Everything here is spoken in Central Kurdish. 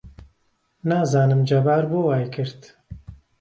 نازانم جەبار بۆ وای کرد.